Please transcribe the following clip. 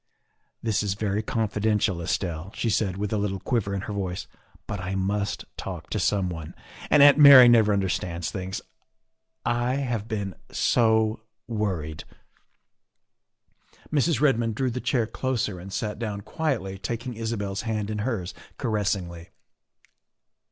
" This is very confidential, Estelle, " she said, with a little quiver in her voice, " but I must talk to someone, and Aunt Mary never understands things. I have been so worried " Mrs. Redmond drew the chair closer and sat down quietly, taking Isabel's hand in hers caressingly.